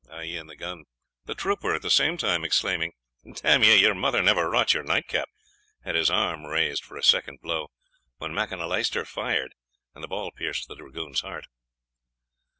(i.e. in the gun). The trooper, at the same time, exclaiming, "D n ye, your mother never wrought your night cap!" had his arm raised for a second blow, when Macanaleister fired, and the ball pierced the dragoon's heart.